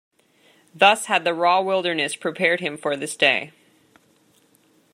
Thus had the raw wilderness prepared him for this day.